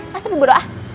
tentu berburu ah